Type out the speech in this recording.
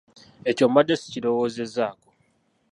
Ekyo mbadde sikirowoozezzaako.